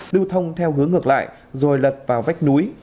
lưu thông theo hướng ngược lại rồi lật vào vách núi